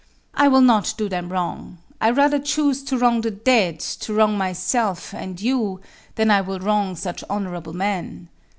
I will not do them wrong; I rather choose To wrong the dead, to wrong myself, and you, Than I will wrong such honorable men.